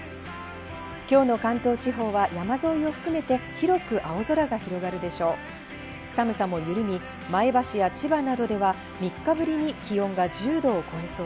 今日の関東地方は山沿いを含めて、広く青空が広がるでしょう。